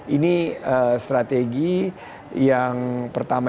ini strategi yang pertama